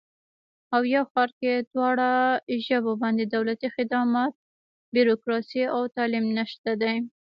او یو ښار کې دواړه ژبو باندې دولتي خدمات، بیروکراسي او تعلیم نشته دی